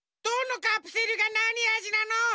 どのカプセルがなにあじなの？